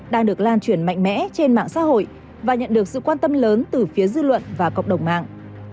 đang được lan truyền mạnh mẽ trên mạng xã hội và nhận được sự quan tâm lớn từ phía dư luận và cộng đồng mạng